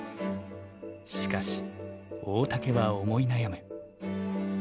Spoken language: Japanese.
しかし大竹は思い悩む。